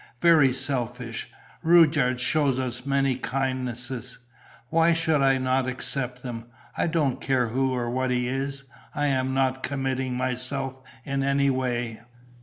Very selfish. Rudyard shows us many kindnesses. Why should I not accept them? I don't care who or what he is. I am not committing myself in any way."